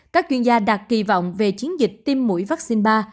các chuyên gia đặt kỳ vọng về chiến dịch tiêm mũi vaccine ba